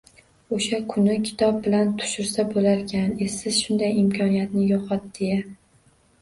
O`sha kuni kitob bilan tushirsa bo`larkan, esiz, shunday imkoniyatni yo`qotdi-ya